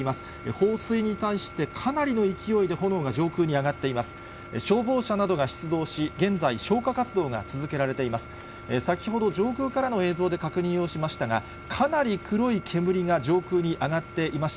放水に対して、かなりの勢いで炎が上空に上がっています。